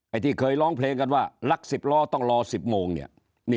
ที่เคยร้องเพลงกันว่ารัก๑๐ล้อต้องรอ๑๐โมงเนี่ย